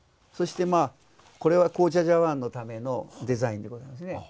そしてまあこれは紅茶茶碗のためのデザインでございますね。